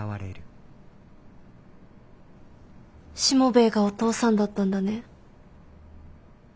しもべえがお父さんだったんだね。